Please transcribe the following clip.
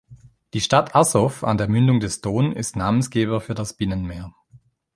Die Stadt Asow an der Mündung des Don ist Namensgeber für das Binnenmeer.